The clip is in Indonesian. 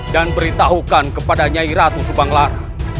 dan beritahukan kepada nyai ratu subanglar